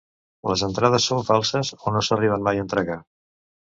Les entrades son falses o no s'arriben mai a entregar.